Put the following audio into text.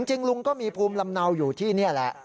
จริงลุงก็มีภูมิลำเนาอยู่ที่นี่แหละ